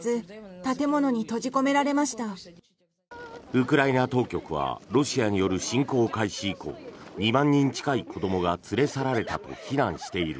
ウクライナ当局はロシアによる侵攻開始以降２万人近い子どもが連れ去られたと非難している。